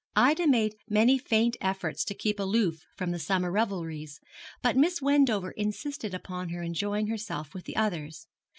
Ida made many faint efforts to keep aloof from the summer revelries, but Miss Wendover insisted upon her enjoying herself with the others.